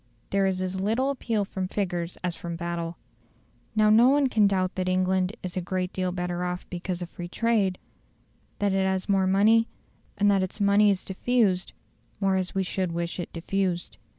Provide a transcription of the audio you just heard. There is as little appeal from figures as from battle. Now no one can doubt that England is a great deal better off because of free trade; that it has more money, and that its money is diffused more as we should wish it diffused.